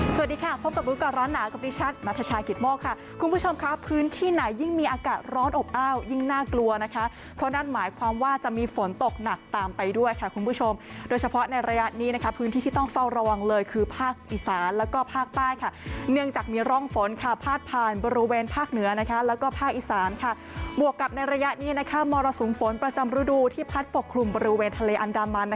สวัสดีค่ะพบกับลูกก่อนร้อนหนากับดิฉันนัทชากิตมอกค่ะคุณผู้ชมค่ะพื้นที่ไหนยิ่งมีอากาศร้อนอบอ้าวยิ่งน่ากลัวนะคะเพราะนั้นหมายความว่าจะมีฝนตกหนักตามไปด้วยค่ะคุณผู้ชมโดยเฉพาะในระยะนี้นะคะพื้นที่ต้องเฝ้าระวังเลยคือภาคอิสานแล้วก็ภาคป้ายค่ะเนื่องจากมีร่องฝนค่ะพาดผ่านบริเวณ